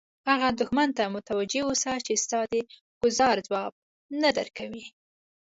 هغه دښمن ته متوجه اوسه چې ستا د ګوزار ځواب نه درکوي.